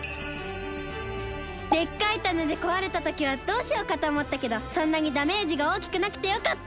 でっかいタネでこわれたときはどうしようかとおもったけどそんなにダメージがおおきくなくてよかった。